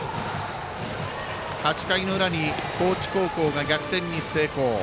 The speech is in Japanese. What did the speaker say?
８回の裏に高知高校が逆転に成功。